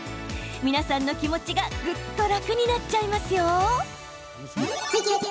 皆さんの気持ちがぐっと楽になっちゃいますよ。